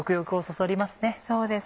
そうですね。